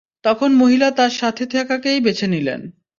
তখন মহিলা তার সাথে থাকাকেই বেছে নিলেন।